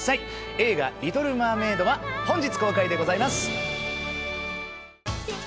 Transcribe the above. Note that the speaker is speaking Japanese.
映画『リトル・マーメイド』は本日公開でございます。